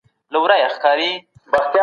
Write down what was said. تېر په تېر حساب کړئ.